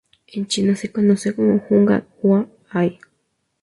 En China se conoce como "huang hua ai".